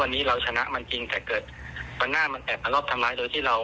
มันอาจจะไม่เอารถทั้งเดิมมา